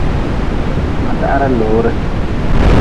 Ma dahra lore.